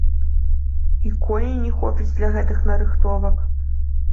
І коней не хопіць для гэтых нарыхтовак.